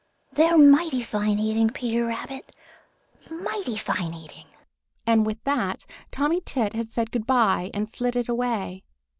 They're mighty fine eating, Peter Rabbit, mighty fine eating!" And with that Tommy Tit had said good by and flitted away.